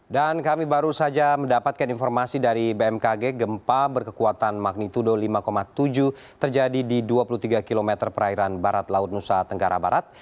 dan kami baru saja mendapatkan informasi dari bmkg gempa berkekuatan magnitudo lima tujuh terjadi di dua puluh tiga km perairan barat laut nusa tenggara barat